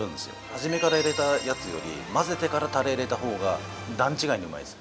初めから入れたやつより混ぜてからタレ入れた方が段違いにうまいです。